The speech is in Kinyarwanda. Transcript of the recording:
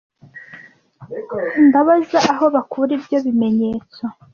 Ndabaza aho bakura ibyo bimenyetso,